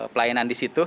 pelayanan di situ